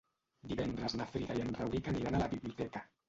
Divendres na Frida i en Rauric aniran a la biblioteca.